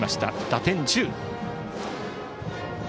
打点１０。